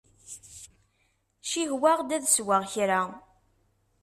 Cihwaɣ-d ad sweɣ kra.